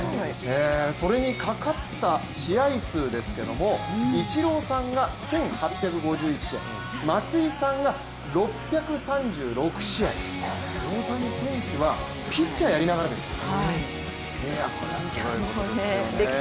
それにかかった試合数ですけどもイチローさんが１８５１試合、松井さんが６３６試合、大谷選手はピッチャーやりながらですよ